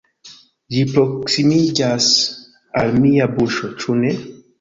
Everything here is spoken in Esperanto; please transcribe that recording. Ĝi proksimiĝas al mia buŝo, ĉu ne?